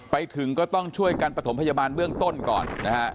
ไปถึงก็ต้องช่วยกันประถมพยาบาลเบื้องต้นก่อนนะฮะ